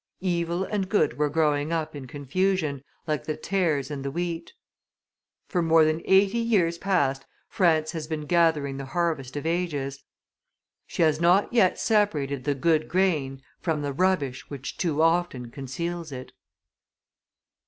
Evil and good were growing up in confusion, like the tares and the wheat. For more than eighty years past France has been gathering the harvest of ages; she has not yet separated the good grain from the rubbish which too often conceals it.